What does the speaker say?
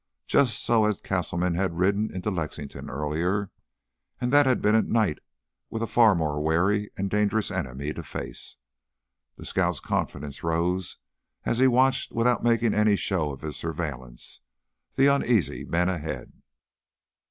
Just so had Castleman ridden into Lexington earlier, and that had been at night with a far more wary and dangerous enemy to face. The scout's confidence rose as he watched, without making any show of his surveillance, the uneasy men ahead.